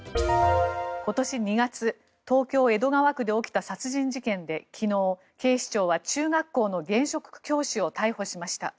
今年２月東京・江戸川区で起きた殺人事件で昨日、警視庁は中学校の現職教師を逮捕しました。